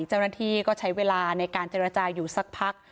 เจ้าหน้าที่ก็ใช้เวลาในการเจรจาอยู่สักพัก